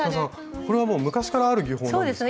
これは昔からある技法なんですか？